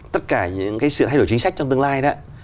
tất cả những cái sự thay đổi chính sách trong tương lai đó